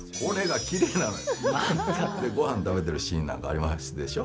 で、ごはん食べてるシーンなんかありますでしょ？